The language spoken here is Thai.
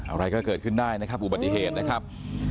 อะไรก็เกิดขึ้นได้นะครับอุบัติเหตุนะครับ